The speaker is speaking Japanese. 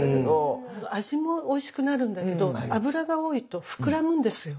味もおいしくなるんだけど油が多いと膨らむんですよ